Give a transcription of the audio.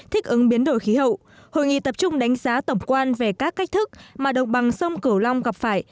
hội nghị tập trung đánh giá tổng quan về các cách thức mà đồng bằng sông cửu long gặp phải